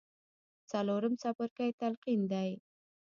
څلورم څپرکی تلقين دی.